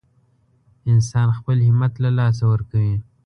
انسان خپل همت له لاسه ورکوي.